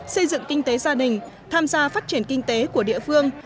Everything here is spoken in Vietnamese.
xây dựng kinh tế gia đình tham gia phát triển kinh tế của địa phương